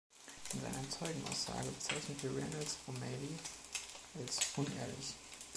In seiner Zeugenaussage bezeichnete Reynolds O’Malley als „unehrlich“.